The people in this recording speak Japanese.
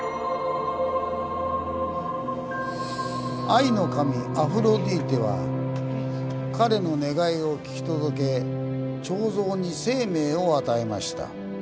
愛の神アフロディーテは彼の願いを聞き届け彫像に生命を与えました。